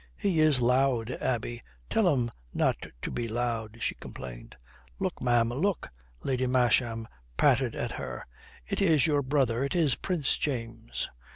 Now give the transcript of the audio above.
"He is loud, Abbie. Tell him not to be loud," she complained. "Look, ma'am, look," Lady Masham patted at her. "It is your brother, it is Prince James."